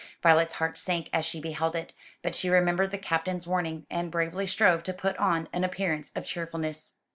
Violet's heart sank as she beheld it: but she remembered the Captain's warning, and bravely strove to put on an appearance of cheerfulness.